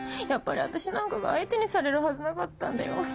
やっぱり私なんかが相手にされるはずなかったんだよ。